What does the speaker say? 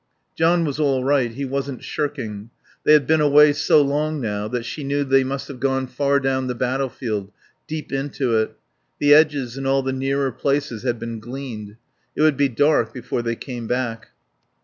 John was all right; he wasn't shirking. They had been away so long now that she knew they must have gone far down the battlefield, deep into it; the edges and all the nearer places had been gleaned. It would be dark before they came back.